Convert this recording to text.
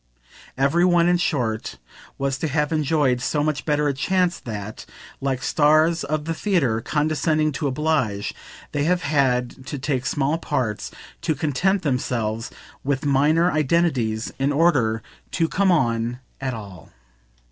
Every one, in short, was to have enjoyed so much better a chance that, like stars of the theatre condescending to oblige, they have had to take small parts, to content themselves with minor identities, in order to come on at all.